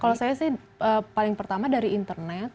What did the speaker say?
kalau saya sih paling pertama dari internet